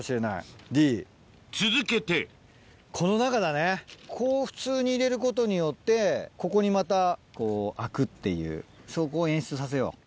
続けてこの中だねこう普通に入れることによってここにまたこう空くっていうそこを演出させよう。